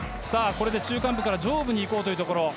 中間部から上部にいこうというところ。